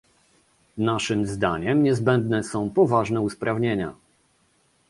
Naszym zdaniem niezbędne są poważne usprawnienia